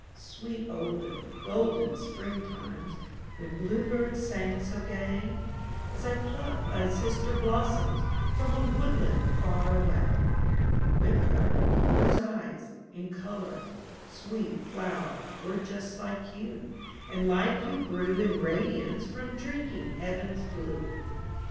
Sweet olden, golden springtimes, When bluebirds sang so gay, As I plucked thy sister blossoms From a woodland far away, With her, whose eyes, in color, Sweet flow'r, were just like you, And like you grew in radiance From drinking heaven's blue.